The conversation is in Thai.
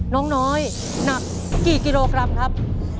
น้องน้อยหนักกี่กิโลกรัมครับ